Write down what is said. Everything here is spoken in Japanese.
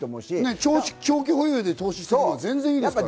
長期で投資するのはいいですからね。